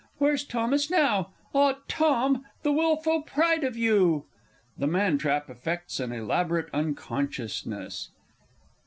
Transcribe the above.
Where's Thomas now? Ah, Tom, the wilful pride of you. [The Man trap _affects an elaborate unconsciousness.